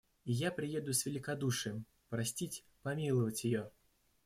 И я приеду с великодушием — простить, помиловать ее.